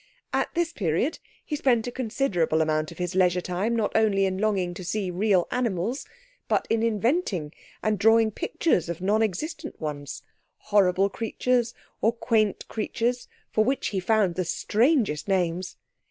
At this period he spent a considerable amount of his leisure time not only in longing to see real animals, but in inventing and drawing pictures of non existent ones horrible creatures, or quaint creatures, for which he found the strangest names.